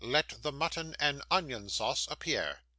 'Let the mutton and onion sauce appear.